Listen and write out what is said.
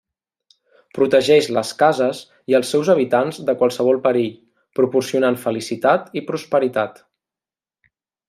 Protegeix les cases i als seus habitants de qualsevol perill, proporcionant felicitat i prosperitat.